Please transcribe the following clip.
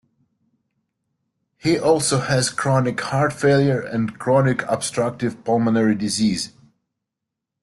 He also has chronic heart failure and chronic obstructive pulmonary disease.